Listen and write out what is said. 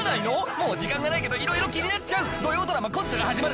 もう時間がないけどいろいろ気になっちゃう土曜ドラマ『コントが始まる』